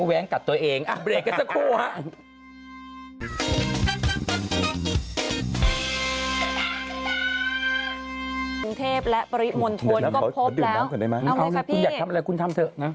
แหล่งพบพระแหล่งพระงามคุณแม่